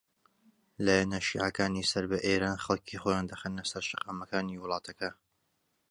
لایەنە شیعەکانی سەر بە ئێران خەڵکی خۆیان دەخەنە سەر شەقامەکانی وڵاتەکە